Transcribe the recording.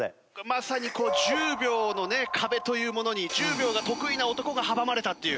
まさに１０秒のね壁というものに１０秒が得意な男が阻まれたっていう。